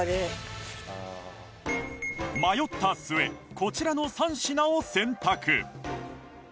迷った末こちらの３品を選択